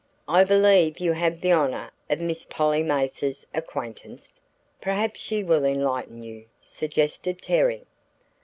"I believe you have the honor of Miss Polly Mathers's acquaintance? Perhaps she will enlighten you," suggested Terry.